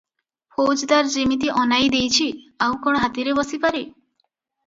ଫୌଜଦାର ଯିମିତି ଅନାଇ ଦେଇଛି, ଆଉ କଣ ହାତୀରେ ବସିପାରେ!